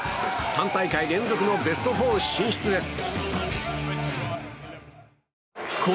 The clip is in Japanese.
３大会連続のベスト４進出です。